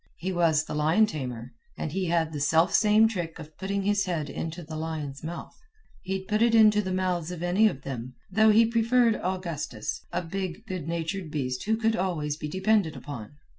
He was the lion tamer, and he had the self same trick of putting his head into the lion's mouth. He'd put it into the mouths of any of them, though he preferred Augustus, a big, good natured beast who could always be depended upon.